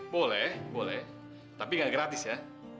boleh boleh tapi gak gratis ya